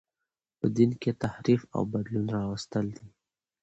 په دین کښي تحریف او بدلون راوستل دي.